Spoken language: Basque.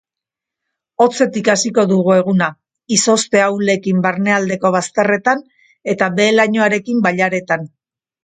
Hotzetik hasiko dugu eguna, izozte ahulekin barnealdeko bazterretan eta behe-lainoarekin bailaretan.